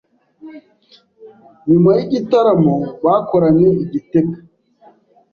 nyuma y'igitaramo bakoranye i Gitega